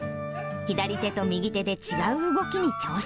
左手と右手で違う動きに挑戦。